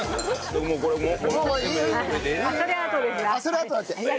それあとだって！